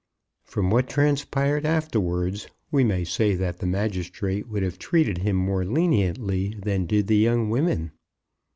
From what transpired afterwards we may say that the magistrate would have treated him more leniently than did the young women.